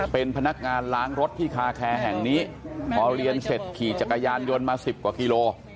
เป็นพนักงานล้างรถที่คาแคร์แห่งนี้พอเรียนเสร็จขี่จักรยานยนต์มา๑๐กว่ากิโล